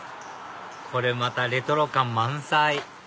これまたレトロ感満載！